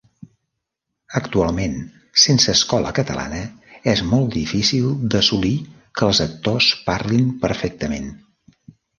Actualment, sense escola catalana, és molt difícil d'assolir que els actors parlin perfectament.